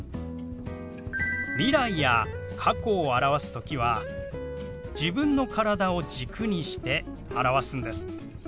未来や過去を表す時は自分の体を軸にして表すんです。